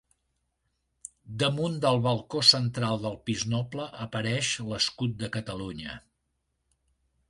Damunt del balcó central del pis noble apareix l'escut de Catalunya.